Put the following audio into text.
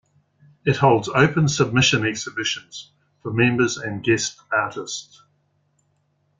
It holds open submission exhibitions for members and guest artists.